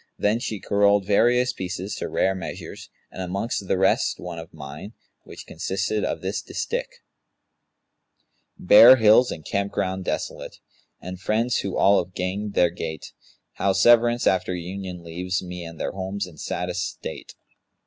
Then she carolled various pieces to rare measures, and amongst the rest one of mine, which consisted of this distich, 'Bare hills and campground desolate * And friends who all have ganged their gait. How severance after union leaves * Me and their homes in saddest state!'